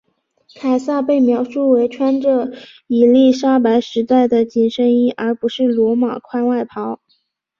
凯撒被描述为穿着伊丽莎白时代的紧身衣而不是罗马宽外袍。